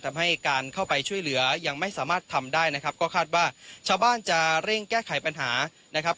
ทำให้การเข้าไปช่วยเหลือยังไม่สามารถทำได้นะครับก็คาดว่าชาวบ้านจะเร่งแก้ไขปัญหานะครับ